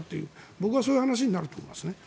僕はそういう話になると思います。